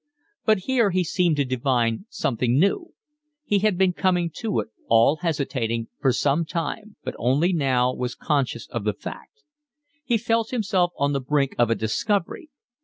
But here he seemed to divine something new. He had been coming to it, all hesitating, for some time, but only now was conscious of the fact; he felt himself on the brink of a discovery.